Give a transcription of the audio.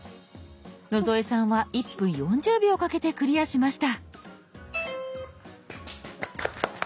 野添さんは１分４０秒かけてクリアしました。